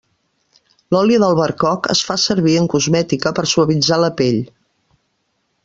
L’oli d’albercoc es fa servir, en cosmètica, per suavitzar la pell.